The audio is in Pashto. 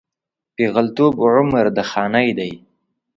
پېغلتوب عمر د خانۍ دی